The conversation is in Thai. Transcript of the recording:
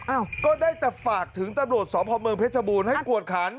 ก็ได้แต่ฝากถึงตำรวจสพเมืองเพชรบูรณ์ให้กวดขัน